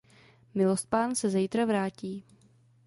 Milostpán se zejtra vrátí.